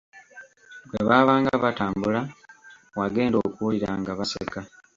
Bwe baabanga batambula, wagenda okuwulira nga baseka.